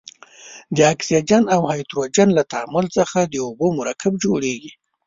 د اکسیجن او هایدروجن له تعامل څخه د اوبو مرکب جوړیږي.